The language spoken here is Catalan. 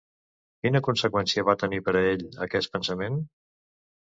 Quina conseqüència va tenir per a ell aquest pensament?